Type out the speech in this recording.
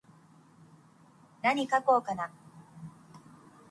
なに書こうかなー。